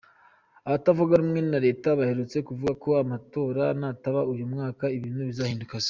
Abatavuga rumwe na Leta baherutse kuvuga ko amatora nataba uyu mwaka ibintu bizahindura isura.